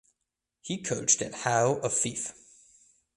He coached at Howe of Fife.